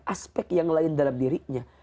aspek yang lain dalam dirinya